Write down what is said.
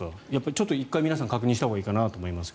ちょっと１回皆さん確認したほうがいいかもしれません。